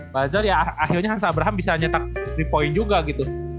bazar ya akhirnya hans abraham bisa nyetak di point juga gitu